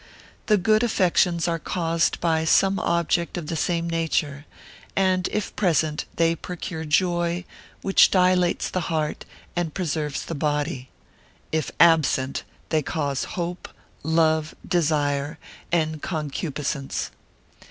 The good affections are caused by some object of the same nature; and if present, they procure joy, which dilates the heart, and preserves the body: if absent, they cause hope, love, desire, and concupiscence.